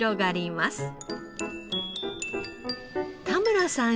田村さん